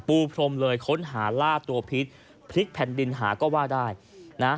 พรมเลยค้นหาล่าตัวพิษพลิกแผ่นดินหาก็ว่าได้นะ